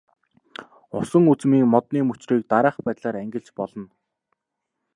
Усан үзмийн модны мөчрийг дараах байдлаар ангилж болно.